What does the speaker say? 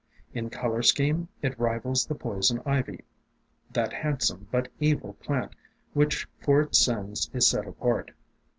In color scheme it rivals the Poison Ivy, that handsome but evil plant which for its sins is set apart.